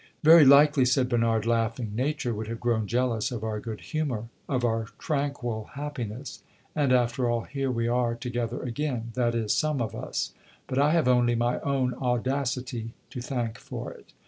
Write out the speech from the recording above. "Very likely," said Bernard, laughing. "Nature would have grown jealous of our good humor of our tranquil happiness. And after all, here we are together again that is, some of us. But I have only my own audacity to thank for it.